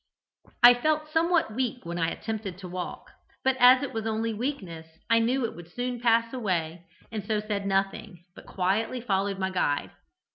I felt somewhat weak when I attempted to walk, but as it was only weakness, I knew it would soon pass away, and so said nothing, but quietly followed my guide.